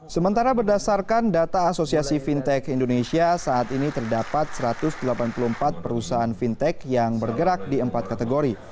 sementara berdasarkan data asosiasi fintech indonesia saat ini terdapat satu ratus delapan puluh empat perusahaan fintech yang bergerak di empat kategori